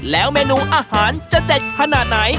แล้วเมนูอาหารจะเด็ดขนาดไหน